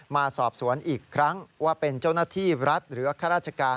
มาสอบสวนอีกครั้งว่าเป็นเจ้าหน้าที่รัฐหรือข้าราชการ